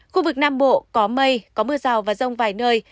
khu vực nam bộ có mây có mưa rào và rông vài nơi